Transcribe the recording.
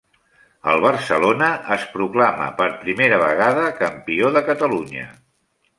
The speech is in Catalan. El Barcelona es proclama per primera vegada campió de Catalunya.